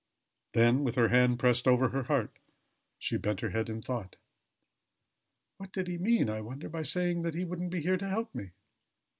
Then with her hand pressed over her heart, she bent her head in thought. "What did he mean, I wonder, by saying that he wouldn't be here to help me?